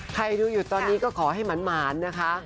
ใครดูอยู่ตอนนี้ก็ขอให้หมานนะคะ